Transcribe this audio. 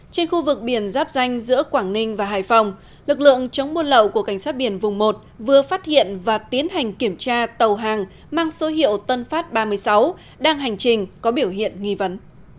trên khu vực biển giáp danh giữa quảng ninh và hải phòng lực lượng chống buôn lậu của cảnh sát biển vùng một vừa phát hiện và tiến hành kiểm tra tàu hàng mang số hiệu tân phát ba mươi sáu đang hành trình có biểu hiện nghi vấn